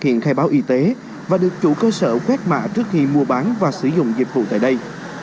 hiện khai báo y tế và được chủ cơ sở quét mã trước khi mua bán và sử dụng dịch vụ tại đây